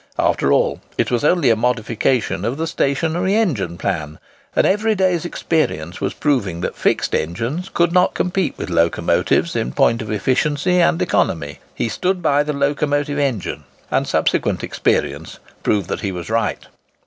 After all, it was only a modification of the stationary engine plan; and every day's experience was proving that fixed engines could not compete with locomotives in point of efficiency and economy. He stood by the locomotive engine; and subsequent experience proved that he was right.